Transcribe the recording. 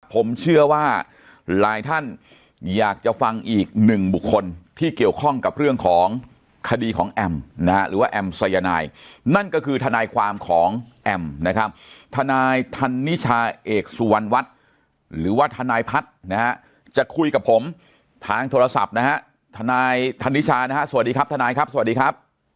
ผมเชื่อว่าหลายท่านอยากจะฟังอีกหนึ่งบุคคลที่เกี่ยวข้องกับเรื่องของคดีของแอมนะฮะหรือว่าแอมสายนายนั่นก็คือทนายความของแอมนะครับทนายธันนิชาเอกสุวรรณวัฒน์หรือว่าทนายพัฒน์นะฮะจะคุยกับผมทางโทรศัพท์นะฮะทนายธนิชานะฮะสวัสดีครับทนายครับสวัสดีครับ